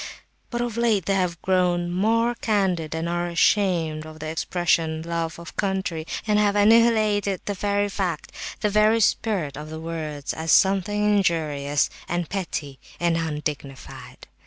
But of late they have grown, more candid and are ashamed of the expression 'love of country,' and have annihilated the very spirit of the words as something injurious and petty and undignified.